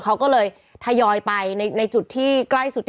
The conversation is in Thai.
เขาก็เลยทยอยไปในจุดที่ใกล้สุด